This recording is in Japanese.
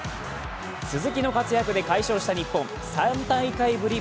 鈴木の活躍で快勝した日本３大会ぶり